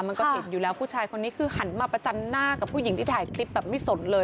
มันก็ติดอยู่แล้วผู้ชายคนนี้คือหันมาประจันหน้ากับผู้หญิงที่ถ่ายคลิปแบบไม่สนเลย